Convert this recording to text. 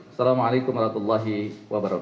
assalamualaikum warahmatullahi wabarakatuh